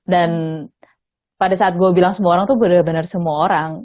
dan pada saat gue bilang semua orang itu benar benar semua orang